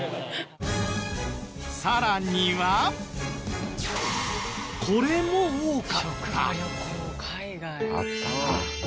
さらにはこれも多かった。